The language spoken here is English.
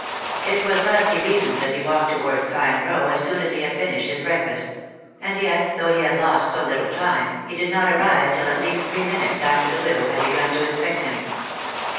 It was thus he reasoned as he walked towards Sk>n Row as soon as he had finished his breakfast ; and yet, though he had lost so little time, he did not arrive till at least three minutes after the widow had begun to expect him.